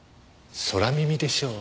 空耳でしょう。